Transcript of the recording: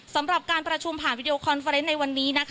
สำหรับการประชุมผ่านวิดีโอคอนเฟอร์เนสในวันนี้